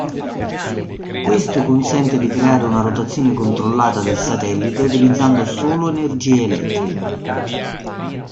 Questo consente di creare una rotazione controllata del satellite utilizzando solo energia elettrica.